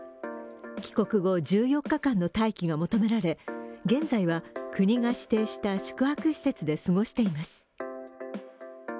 帰国後１４日間の待機が求められ現在は国が指定した宿泊施設で過ごしています。